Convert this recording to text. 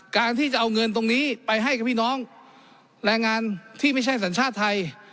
การที่จะเอาเงินตรงนี้ไปให้กับพี่น้องแรงงานที่ไม่ใช่สัญชาติไทย